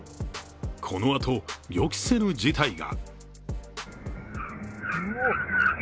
このあと、予期せぬ事態が。